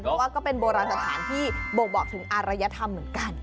เพราะว่าก็เป็นโบราณสถานที่บ่งบอกถึงอารยธรรมเหมือนกัน